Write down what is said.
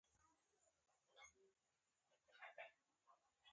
د مصنفاتو شمېر یې تر دېرشو اوښتی و.